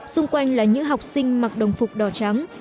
xung quanh là những học sinh mặc đồng phục đò trắng